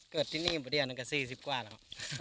เกิดที่นี่ประเดียวนักการณ์๔๐กว่าแล้ว